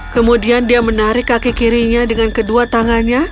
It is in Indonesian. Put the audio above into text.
kemudian dia menarik kaki kirinya dengan kedua tangannya